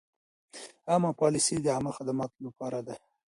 مالي پالیسي د عامه خدماتو لپاره ده.